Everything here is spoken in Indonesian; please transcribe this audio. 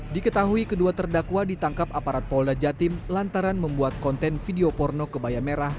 diketahui kedua terdakwa ditangkap aparat polda jatim lantaran membuat konten video porno kebaya merah